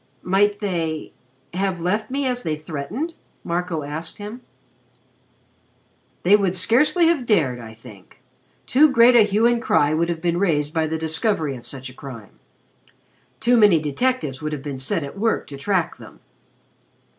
"Might they have left me as they threatened?" Marco asked him. "They would scarcely have dared, I think. Too great a hue and cry would have been raised by the discovery of such a crime. Too many detectives would have been set at work to track them."